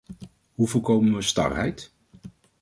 Hoe voorkomen we starheid?